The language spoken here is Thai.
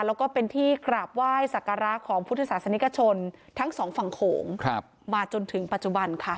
แล้วก็เป็นที่กราบไหว้สักการะของพุทธศาสนิกชนทั้งสองฝั่งโขงมาจนถึงปัจจุบันค่ะ